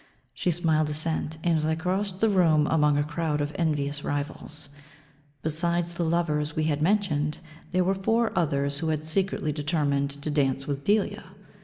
She smiled assent, and they crossed the room among a croud of envious rivals. Besides the lovers we had mentioned, there were four others, who had secretly determined to dance with Delia.